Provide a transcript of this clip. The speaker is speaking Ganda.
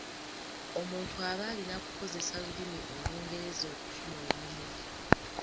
Omuntu aba alina kukozesa lulimi Olungereza okufuna omulimu.